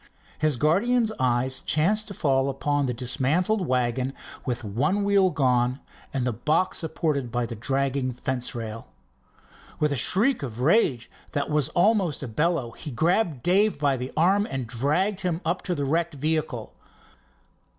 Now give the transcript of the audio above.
His guardian's eye chanced to fall upon the dismantled wagon with one wheel gone and the box supported by the dragging fence rail. With a shriek of rage that was almost a bellow he grabbed Dave by the arm and dragged him up to the wrecked vehicle.